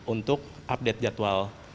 untuk update jadwal